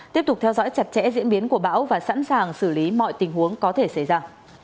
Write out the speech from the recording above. tiếp tục theo dõi chặt chẽ diễn biến của bão và sẵn sàng xử lý mọi tình huống có thể xảy ra